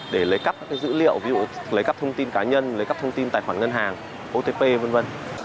để lấy cắp các dữ liệu ví dụ lấy cắp thông tin cá nhân lấy cắp thông tin tài khoản ngân hàng otp v v